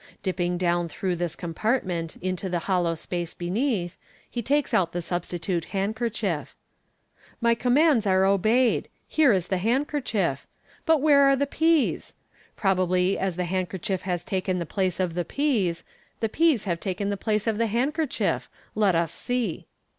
Dipping down through this compartment into the hollow space be neath, he takes out the substitute handkerchief. u My comrPHnd* MODERN MAGIC. 355 are obeyed Here is the handkerchief. But where are the peas? Probably, as the handkerchief has taken the place of the peas, the oeas have taken the place of the handkerchief. Let us see.''